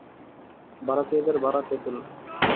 ভাড়াটিয়াদের ভাড়া, কে তুলবে?